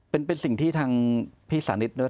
เป็นสิ่งที่ทางพี่สาริจ